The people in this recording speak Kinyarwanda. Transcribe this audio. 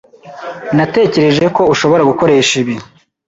Natekereje ko ushobora gukoresha ibi.